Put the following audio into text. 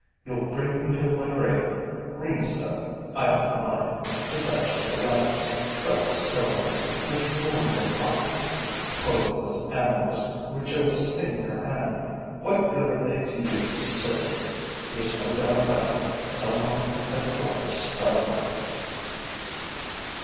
You'll bring me to my grave. Green stuff I don't mind: it does for the rabbits. But stones, which ruin your pockets; poisonous animals, which'll sting your hand: what good are they to you, silly? There's no doubt about it: some one has thrown a spell over you!"